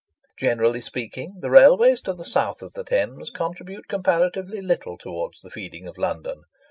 Generally speaking, the railways to the south of the Thames contribute comparatively little towards the feeding of London.